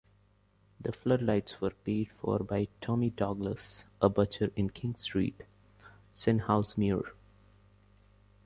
The floodlights were paid for by Tommy Douglas, a butcher in King Street, Stenhousemuir.